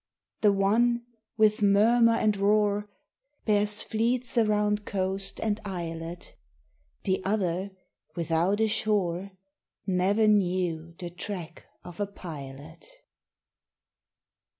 The one, with murmur and roar, Bears fleets around coast and isli The other, without a she: Ne'er knew the track of a pilot.